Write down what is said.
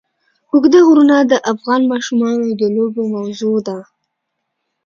اوږده غرونه د افغان ماشومانو د لوبو موضوع ده.